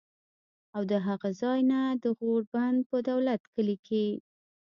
او د هغه ځائے نه د غور بند پۀ دولت کلي کښې